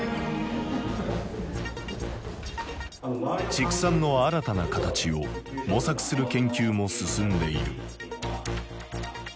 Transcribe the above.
畜産の新たな形を模索する研究も進んでいる。